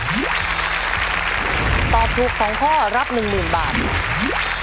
ตอบถูก๒ข้อรับ๑๐๐๐บาท